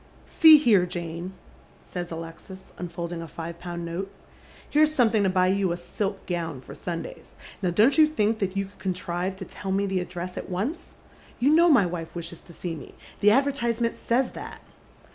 " 3e« here, Jane," says Alexis, unfolding a five pound nota. " Here's something to buy you a silk gown for Sundays. Now don't you think that you could conti ive to tell me the address at once ? You know my wife wishes to see me. The advertisement says that."